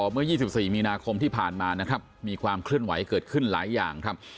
เมื่อ๒๔มีนาคมที่ผ่านมานะครับมีความเคลื่อนไหวเกิดขึ้นหลายอย่างครับ